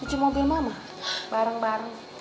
cuci mobil mama bareng bareng